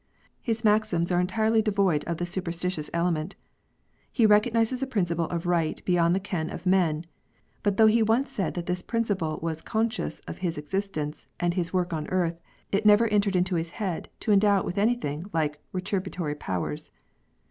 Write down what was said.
His maxims are entirely devoid of the super stitious element. He recognises a principle of right beyond the ken of man ; but though he once said that this principle was conscious of his existence and his work on earth, it never entered his head to endow it with anything like retributory powers.